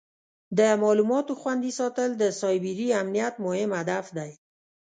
د معلوماتو خوندي ساتل د سایبري امنیت مهم هدف دی.